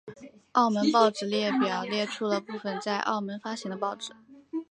澳门报纸列表列出了部分在澳门发行的报纸。